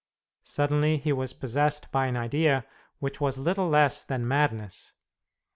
Suddenly he was possessed by an idea which was little less than madness.